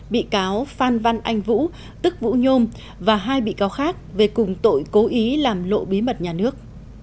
bị cáo phan văn anh vũ tức vũ nhôm và hai bị cáo khác về cùng tội cố ý làm lộ bí mật nhà nước